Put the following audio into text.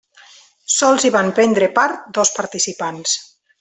Sols hi van prendre part dos participants.